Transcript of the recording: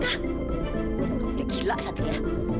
kamu boleh gila satu ya